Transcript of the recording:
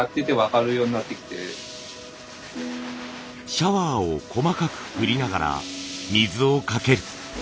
シャワーを細かく振りながら水をかける。